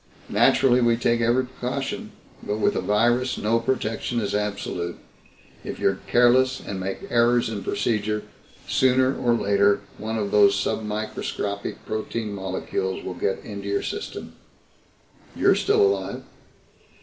Naturally, we take every precaution, but with a virus no protection is absolute. If you're careless and make errors in procedure, sooner or later one of those submicroscopic protein molecules will get into your system." "You're still alive."